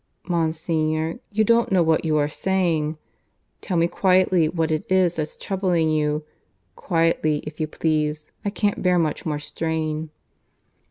"Monsignor, you don't know what you are saying. Tell me quietly what it is that's troubling you. Quietly, if you please. I can't bear much more strain."